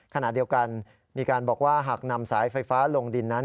ขณะเดียวกันมีการบอกว่าหากนำสายไฟฟ้าลงดินนั้น